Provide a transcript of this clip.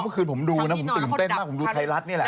เมื่อคืนผมดูนะผมตื่นเต้นมากผมดูไทยรัฐนี่แหละ